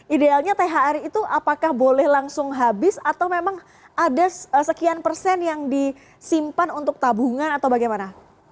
idealnya thr itu apakah boleh langsung habis atau memang ada sekian persen yang disimpan untuk tabungan atau bagaimana